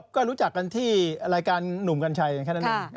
ก็รู้จักกันที่รายการหนุ่มกัญชัยแค่นั้นเอง